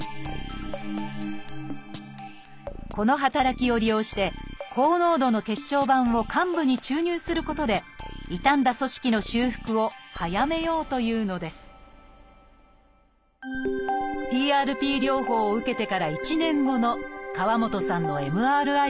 この働きを利用して高濃度の血小板を患部に注入することで傷んだ組織の修復を早めようというのですＰＲＰ療法を受けてから１年後の河本さんのＭＲＩ画像です。